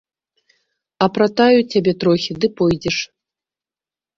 Апратаю цябе трохі ды пойдзеш.